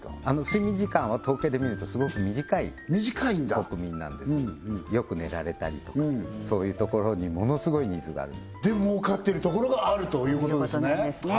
睡眠時間は統計で見るとすごく短い国民なんですよく寝られたりとかそういうところにものすごいニーズがあるんですで儲かってるところがあるということですねということなんですね